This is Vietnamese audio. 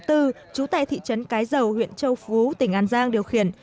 trú tại thị trấn cái dầu huyện châu phú tỉnh an giang điều khiển